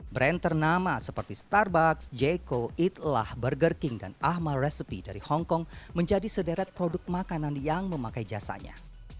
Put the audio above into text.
brand ternama seperti starbucks j co eat lah burger king dan ahma recipe dari hongkong menjadi sederet produk makanan yang memakai jasanya